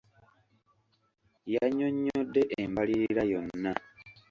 Yannyonnyodde embalirira yonna.